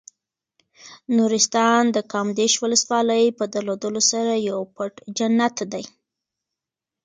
نورستان د کامدېش ولسوالۍ په درلودلو سره یو پټ جنت دی.